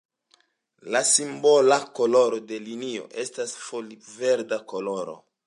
La simbola koloro de linio estas foli-verda koloro.